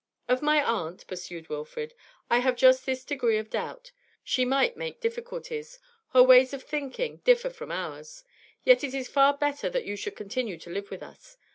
'Of my aunt,' pursued Wilfrid, 'I have just this degree of doubt. She might make difficulties; her ways of thinking differ often from ours. Yet it is far better that you should continue to live with us.